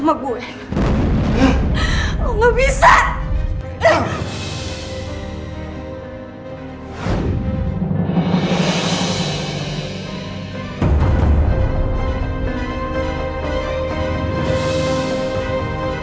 perempuan kayak lo